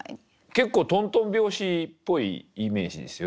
結構とんとん拍子っぽいイメージですよ